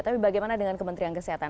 tapi bagaimana dengan kementerian kesehatan